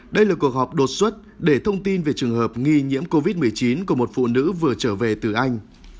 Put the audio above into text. đây là cuộc họp đột xuất để thông tin về trường hợp nghi nhiễm covid một mươi chín của một phụ nữ vừa trở về từ anh